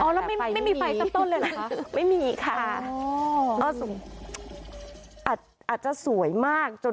อ๋อแล้วไม่มีไฟสักต้นเลยเหรอคะไม่มีค่ะอ๋อสมมติอาจจะสวยมาก